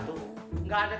please jangan marahin aku